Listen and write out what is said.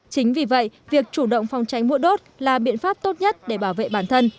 chính vì vậy việc chủ động phòng tránh mũi đốt là biện pháp tốt nhất để bảo vệ bản thân